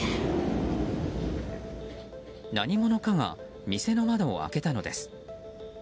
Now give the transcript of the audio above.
何者かが店の窓を開けたのです。